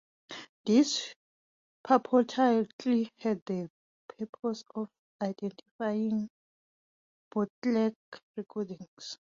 This purportedly had the purpose of identifying bootleg recordings.